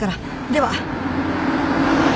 では。